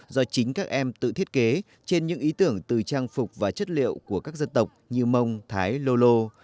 do chính các em tự thiết kế trên những ý tưởng từ trang phục và chất liệu của các dân tộc như mông thái lô lô